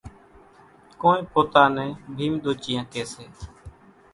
ڪونئين پوتا نين ڀيمۮوچيئا ڪيَ سي۔